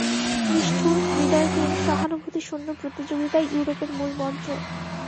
নিষ্ঠুর, হৃদয়হীন, সহানুভূতিশূন্য প্রতিযোগিতাই ইউরোপের মূলমন্ত্র।